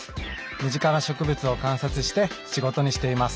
身近な植物を観察して仕事にしています。